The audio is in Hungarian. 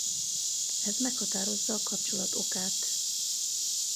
Ez meghatározza a kapcsolat okát.